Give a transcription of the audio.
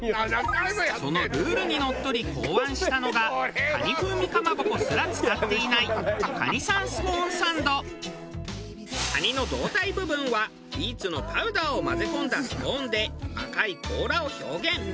そのルールにのっとり考案したのが蟹風味かまぼこすら使っていない蟹の胴体部分はビーツのパウダーを混ぜ込んだスコーンで赤い甲羅を表現。